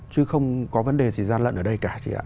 chứ không có vấn đề gì gian lận ở đây